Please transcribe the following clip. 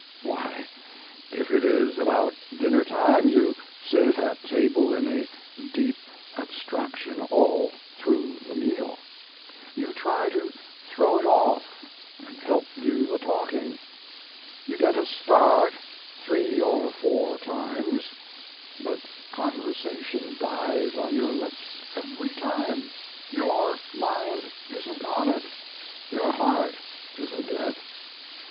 Why, if it is about dinner time, you sit at table in a deep abstraction all through the meal; you try to throw it off and help do the talking; you get a start three or four times, but conversation dies on your lips every time your mind isn't on it; your heart isn't in it.